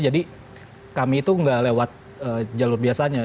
jadi kami itu nggak lewat jalur biasanya